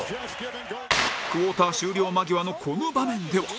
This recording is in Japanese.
クオーター終了間際のこの場面では